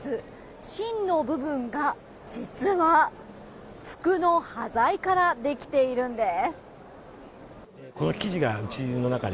芯の部分が実は服の端材からできているんです。